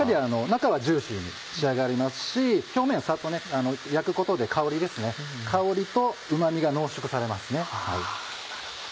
中はジューシーに仕上がりますし表面はサッと焼くことで香りとうま味が濃縮されますね。